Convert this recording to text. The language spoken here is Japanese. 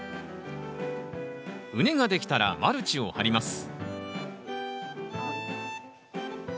畝ができたらマルチを張ります